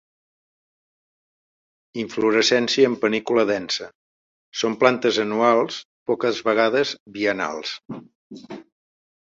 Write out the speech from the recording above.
Inflorescència en panícula densa. Són plantes anuals, poques vegades biennals.